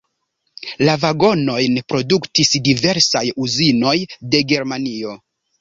La vagonojn produktis diversaj uzinoj de Germanio.